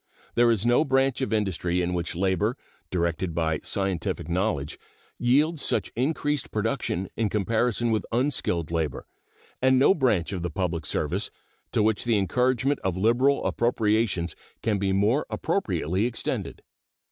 There is no branch of industry in which labor, directed by scientific knowledge, yields such increased production in comparison with unskilled labor, and no branch of the public service to which the encouragement of liberal appropriations can be more appropriately extended.